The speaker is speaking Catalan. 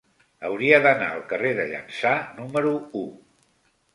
Hauria d'anar al carrer de Llança número u.